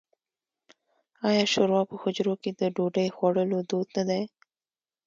آیا شوروا په حجرو کې د ډوډۍ خوړلو دود نه دی؟